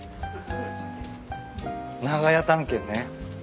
長屋探検ね。